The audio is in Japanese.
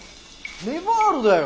ネヴァールだよ。